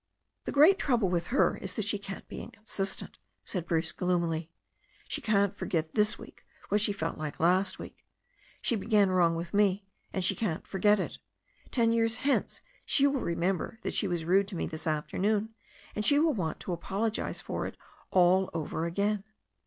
"The great trouble with her is that she can't be inconsist ent," said Bruce gloomily. "She can't forget this week what she felt like last week. She began wrong with me, and she can't forget it. Ten years hence she will remember that she was rude to me this afternoon, and she will want to apologize for it all over again."